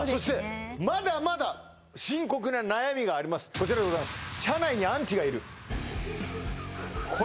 こちらでございます